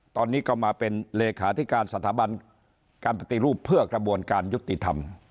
ตอนนี้ก็มาเป็นเลขาธิการสถาบันการปฏิรูปเพื่อกระบวนการยุติธรรม